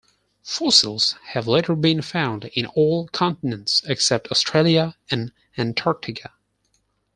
Fossils have later been found in all continents except Australia and Antarctica.